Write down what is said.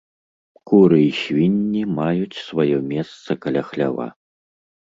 Куры і свінні маюць сваё месца каля хлява.